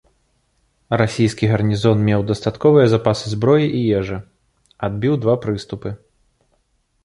Расійскі гарнізон меў дастатковыя запасы зброі і ежы, адбіў два прыступы.